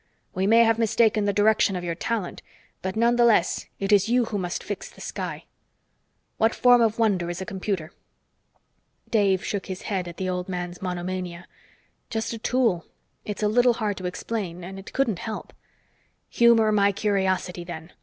We may have mistaken the direction of your talent, but nonetheless it is you who must fix the sky. What form of wonder is a computer?" Dave shook his head at the old man's monomania. "Just a tool. It's a little hard to explain, and it couldn't help." "Humor my curiosity, then.